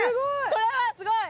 これはすごい。